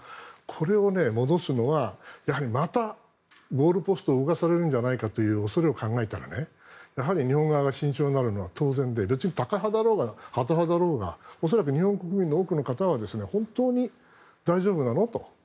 これを戻すのはやはりまたゴールポストを動かされるんじゃないかという恐れを考えたら、やはり日本側が慎重になるのは当然でタカ派だろうがハト派だろうが恐らく日本国民の多くの方は本当に大丈夫なの？と。